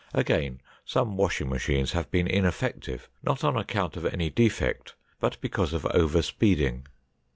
Again, some washing machines have been ineffective, not on account of any defect, but because of over speeding.